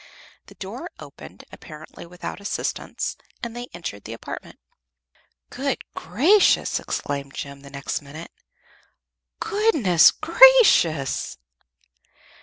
The door opened, apparently without assistance, and they entered the apartment. "Good gracious!" exclaimed Jem, the next minute. "Good_ness_ gracious!"